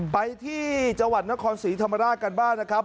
ไปที่จังหวัดนครศรีธรรมราชกันบ้างนะครับ